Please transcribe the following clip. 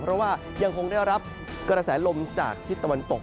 เพราะว่ายังคงได้รับกระแสลมจากทิศตะวันตก